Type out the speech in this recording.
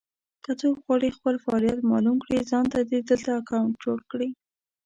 که څوک غواړي خپل فعالیت مالوم کړي ځانته دې دلته اکونټ جوړ کړي.